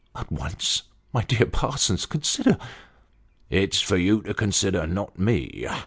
" At once ! My dear Parsons, consider." "It's for you to consider, not me.